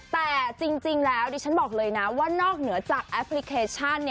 แต่จริงแล้วดิฉันบอกเลยนะว่านอกเหนือจากแอปพลิเคชัน